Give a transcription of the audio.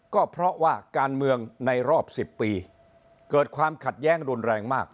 ก็เพราะว่าการเมืองในรอบ๑๐ปีเกิดความขัดแย้งรุนแรงมาก